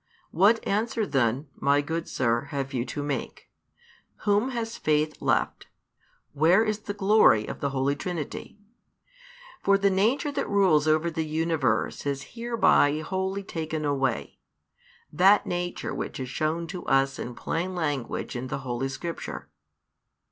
What answer then, my good Sir, have you to make? Whom has faith left? Where is the glory of the Holy Trinity? For the nature that rules over the universe is hereby wholly taken away; that nature which is shown to us in plain language in the Holy Scripture.